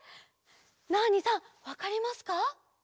ナーニさんわかりますか？